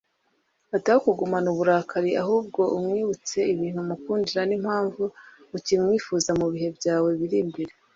Ati “Aho kugumana uburakari ahubwo umwibutse ibintu umukundira n’impamvu ukimwifuza mu bihe byawe biri imbere